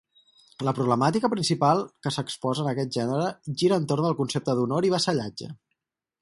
La problemàtica principal que s’exposa en aquest gènere gira entorn el concepte d’honor i vassallatge.